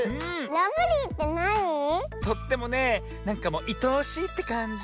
とってもねなんかもういとおしいってかんじ。